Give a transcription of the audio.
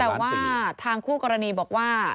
แต่ว่าทางคู่กรณีบอกว่า